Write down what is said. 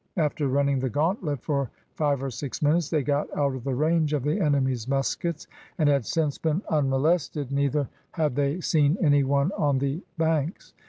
After running the gauntlet for five or six minutes, they got out of range of the enemy's muskets, and had since been unmolested, neither had they seen any one on the banks.